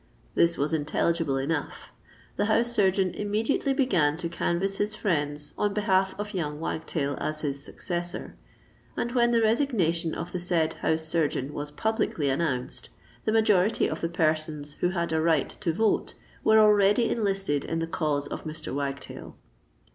This was intelligible enough. The house surgeon immediately began to canvass his friends on behalf of young Wagtail as his successor; and when the resignation of the said house surgeon was publicly announced, the majority of the persons who had a right to vote were already enlisted in the cause of Mr. Wagtail.